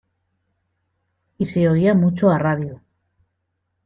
Y se oía mucho a radio.